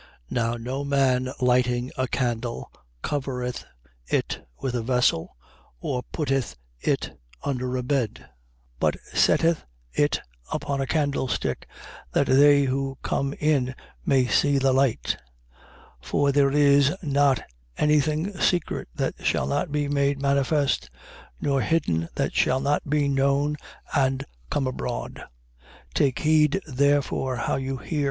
8:16. Now no man lighting a candle covereth it with a vessel or putteth it under a bed: but setteth it upon a candlestick, that they who come in may see the light. 8:17. For there is not any thing secret that shall not be made manifest, nor hidden that shall not be known and come abroad. 8:18. Take heed therefore how you hear.